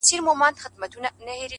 هره ورځ د ځان سمولو فرصت لري